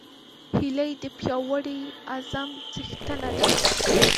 هیلۍ د پیاوړي عزم څښتنه ده